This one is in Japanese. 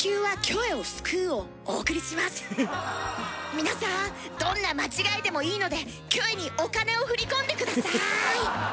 皆さんどんな間違えでもいいのでキョエにお金を振り込んで下さい！